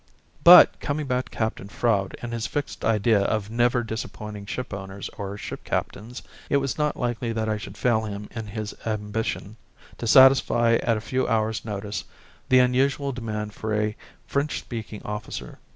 But, coming back to Captain Froud and his fixed idea of never disappointing ship owners or ship captains, it was not likely that I should fail him in his ambition to satisfy at a few hours' notice the unusual demand for a French speaking officer.